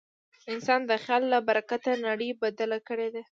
انسان د خیال له برکته نړۍ بدله کړې ده.